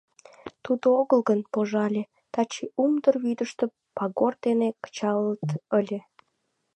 Тудо огыл гын, пожале, таче Умдыр вӱдыштӧ пагор дене кычалыт ыле.